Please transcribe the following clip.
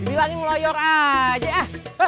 dibilangin meloyor aja